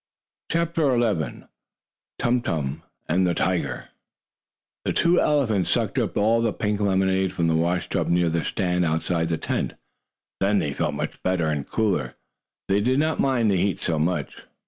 CHAPTER XI TUM TUM AND THE TIGER The two elephants sucked up all the pink lemonade from the washtub near the stand outside the tent. Then they felt much better, and cooler. They did not mind the heat so much.